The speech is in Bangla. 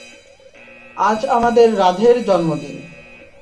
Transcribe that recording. আজ আমাদের রাধের জন্মদিন।